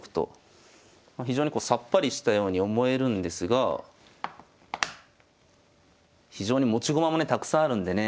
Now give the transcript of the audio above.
非常にこうさっぱりしたように思えるんですが非常に持ち駒もねたくさんあるんでね。